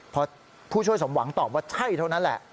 พอผู้ช่วยสมหวังตอบว่าใช่เท่านั้นแหละ